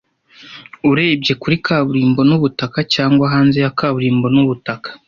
Urebye kuri kaburimbo n'ubutaka, cyangwa hanze ya kaburimbo n'ubutaka,